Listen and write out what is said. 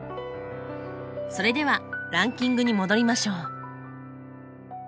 それではランキングに戻りましょう。